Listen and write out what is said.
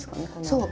そう。